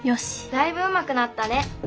だいぶうまくなったね。